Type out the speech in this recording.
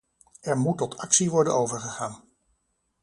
Er moet tot actie worden overgegaan.